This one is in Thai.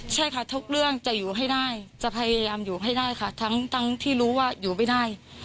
ใช่ค่ะทุกเรื่องจะอยู่ให้ได้จะพยายามอยู่ให้ได้ค่ะทั้งที่รู้ว่าอยู่ไม่ได้